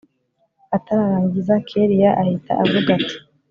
atararangiza, kellia ahita avuga ati